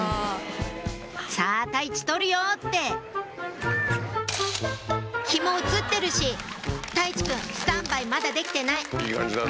「さぁ泰地撮るよ！」ってひも写ってるし泰地くんスタンバイまだできてないいい感じだね。